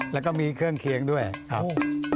แล้วก็มีเครื่องเคียงด้วยครับ